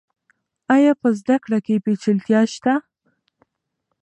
آیا په زده کړه کې پیچلتیا شته؟